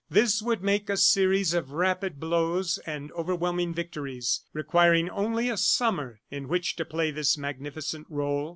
This would make a series of rapid blows and overwhelming victories, requiring only a summer in which to play this magnificent role.